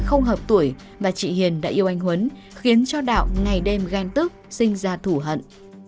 không hợp tuổi và chị hiền đã yêu anh huấn khiến cho đạo ngày đêm ghen tức sinh ra thủ hận